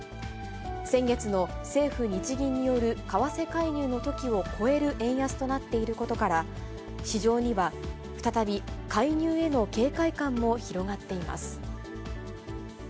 先月の政府・日銀による為替介入のときを超える円安となっていることから、市場には再び介入への警戒感も広がっています。